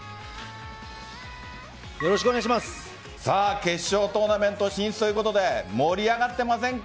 決勝トーナメント進出ということで盛り上がってませんか？